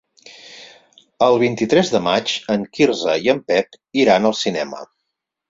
El vint-i-tres de maig en Quirze i en Pep iran al cinema.